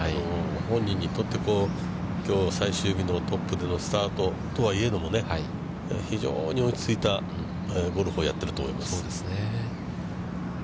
本人にとって、きょう、最終日のトップでのスタートとはいえども、非常に落ちついたゴルフをやっていると思います。